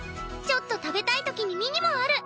ちょっと食べたい時にミニもある！